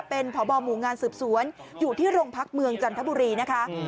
เป็นพบหมู่งานสืบสวนอยู่ที่โรงพักเมืองจันทบุรีนะคะ